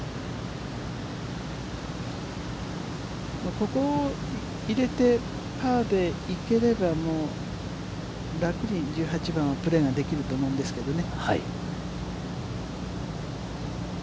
ここで入れてパーで行ければ、もう楽に１８番はプレーができると思うんですけどね。